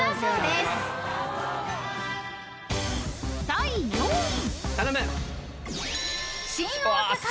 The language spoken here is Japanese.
［第４位］